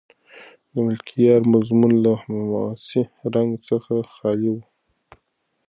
د ملکیار مضمون له حماسي رنګ څخه خالي و.